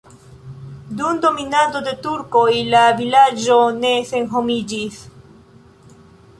Dum dominado de turkoj la vilaĝo ne senhomiĝis.